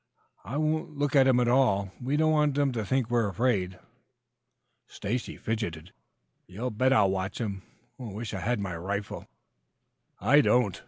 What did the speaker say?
I won't look at them at all. We don't want them to think we're afraid." Stacy fidgeted. "You bet I'll watch 'em. Wish I had my rifle." "I don't."